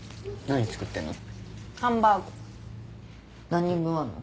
何作ってんの？